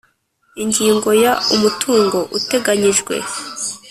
Ingingo ya umutungo uteganyijwe